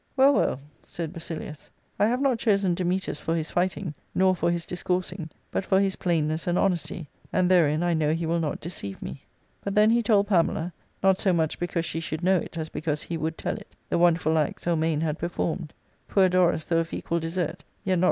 " Well, well," said Basilius, " I have not chosen Dametas for his fighting, nor for his discoursing, but for his plainness and honesty ; and therein I know he will not deceive me." But then he told Pamela (not so much because she should know it as because he would tell it) the wonderful act Zelmane had performed. Poor Dorus, though of equal desert^ yet not